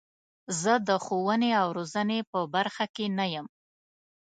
زه د ښوونې او روزنې په برخه کې نه یم.